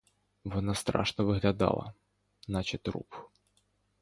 Вона страшно виглядала, наче труп.